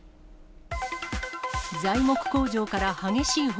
材木工場から激しい炎。